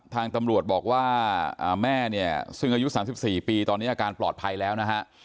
ทางตำรวจบอกว่าแม่เนี่ยซึ่งอายุ๓๔ปีตอนนี้อาการปลอดภัยแล้วนะฮะ